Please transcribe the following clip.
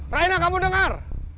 raina kamu dengar